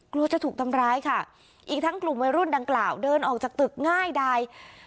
กลัวจะถูกทำร้ายค่ะอีกทั้งกลุ่มวัยรุ่นดังกล่าวเดินออกจากตึกง่ายดาย